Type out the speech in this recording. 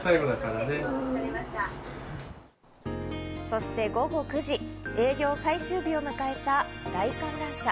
そして午後９時、営業最終日を迎えた大観覧車。